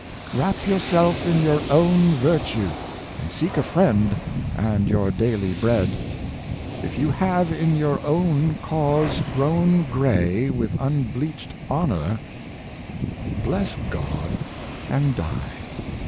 Wrap yourself in your own virtue, and seek a friend and your daily bread. 494 The Sense of Honor. If you have in your own cause grown gray with un bleached honor, bless God and die!"